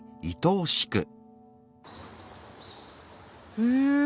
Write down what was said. うん。